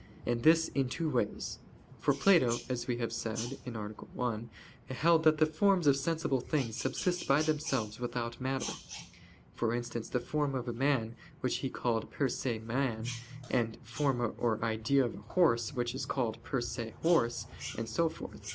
And this in two ways. For Plato, as we have said (A. 1), held that the forms of sensible things subsist by themselves without matter; for instance, the form of a man which he called per se man, and the form or idea of a horse which is called per se horse, and so forth.